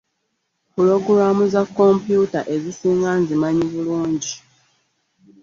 Ppulogulamu za kkompyuta ezisinga nzimanyi bulungi